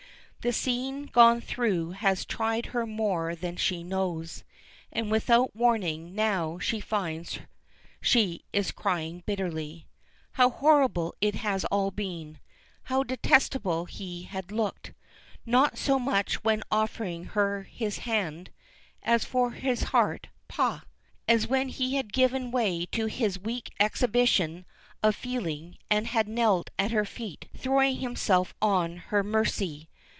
The scene gone through has tried her more than she knows, and without warning now she finds she is crying bitterly. How horrible it all had been. How detestable he had looked not so much when offering her his hand (as for his heart pah!) as when he had given way to his weak exhibition of feeling and had knelt at her feet, throwing himself on her mercy.